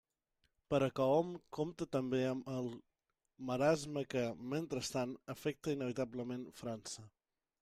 Però que hom compte també amb el marasme que, mentrestant, afecta inevitablement França.